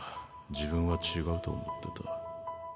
自分は違うと思ってた。